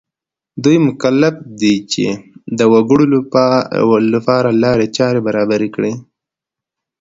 دولت مکلف دی چې د وګړو لپاره لارې چارې برابرې کړي.